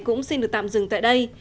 cũng xin được tạm dừng tại đây